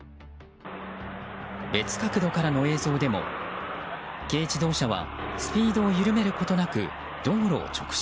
別角度からの映像でも軽自動車はスピードを緩めることなく道路を直進。